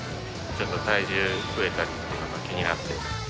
ちょっと体重増えたりとかっていうのが気になって。